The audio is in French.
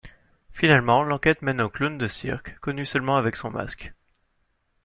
Finalement, l'enquête mène au clown de cirque, connu seulement avec son masque.